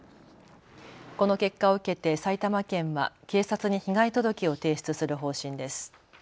この結果を受けて埼玉県は警察に被害届を提出する方針です。